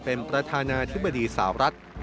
เป็นประธานาธิบดีสาวรัฐ